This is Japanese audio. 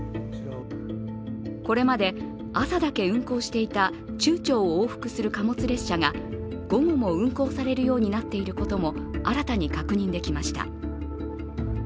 これまで朝だけ運行していた中朝を往復する貨物列車が午後も運行されるようになったことも新たに確認できました。